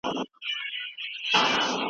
مثبت لیدلوری هم ډېر اړین دی.